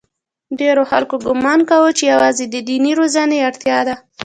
ډېرو خلکو ګومان کاوه چې یوازې د دیني روزنې اړتیا ده.